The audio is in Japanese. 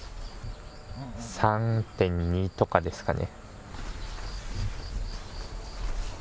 ３．２とかですかね。